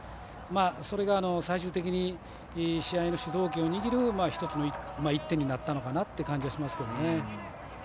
それが最終的に試合の主導権を握る１つの一手になったのかなという感じにしますけどね。